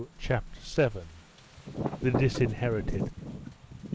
CHAPTER VII. THE DISINHERITED.